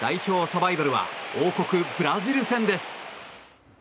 サバイバルは王国ブラジル戦です。